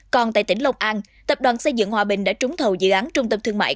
còn tại tỉnh long an tập đoàn xây dựng hòa bình đã trúng thầu dự án trung tâm thương mại